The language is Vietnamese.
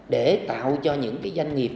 để tạo cho những doanh nghiệp